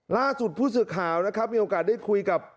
ล่าสุดผู้สื่อข่าวนะครับมีโอกาสได้คุยกับ